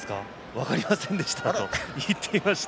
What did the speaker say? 分かりませんでしたと言っていました。